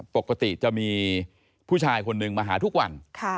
ปกติจะมีผู้ชายคนหนึ่งมาหาทุกวัน